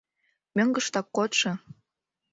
Мӧҥгыштак кодшо...